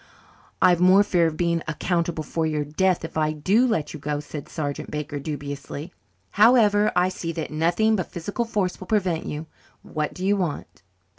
"I've more fear of being accountable for your death if I do let you go," said Sergeant Baker dubiously. "However, I see that nothing but physical force will prevent you. What do you want?"